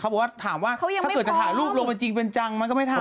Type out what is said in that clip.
คุณแม่คุณแม่ว่าพี่โดมเมนทำไมคุณแม่ก็ปิดบัง